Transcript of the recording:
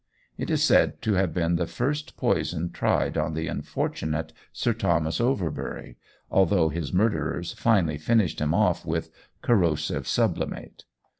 It is said to have been the first poison tried on the unfortunate Sir Thomas Overbury, although his murderers finally finished him off with corrosive sublimate.